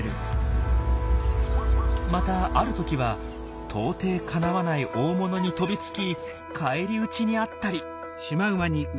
またある時は到底かなわない大物に飛びつき返り討ちにあったり。